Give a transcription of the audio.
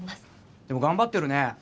でも頑張ってるね。